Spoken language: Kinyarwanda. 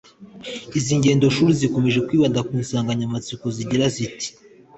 Izi ngendo shuri zikomeje kwibanda ku insanganyamatsiko zigira ziti